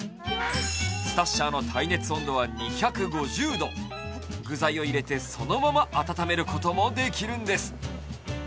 スタッシャーの耐熱温度は２５０度具材を入れて、そのまま温めることもできるんです。